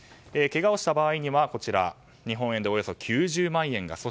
けがをした場合には日本円でおよそ９０万円が。